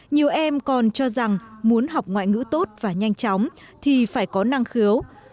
nhiều em còn cho rằng muốn học ngoại ngữ tốt và nhanh chóng thì phải có năng khiếu